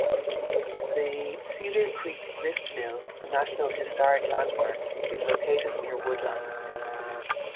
The Cedar Creek Grist Mill, a National Historic Landmark, is located near Woodland.